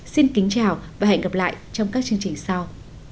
xin kính chào và hẹn gặp lại trong các chương trình sau